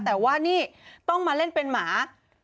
แต่ว่านี่ต้องมาเล่นเป็นหมา